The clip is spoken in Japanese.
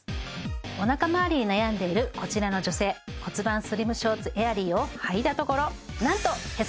おなかまわりに悩んでいるこちらの女性骨盤スリムショーツエアリーをはいたところなんとへそ